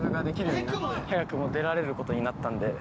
早くも出られることになったんで。